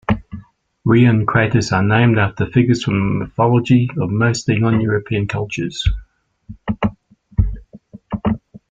Rhean craters are named after figures from the mythologies of mostly non-European cultures.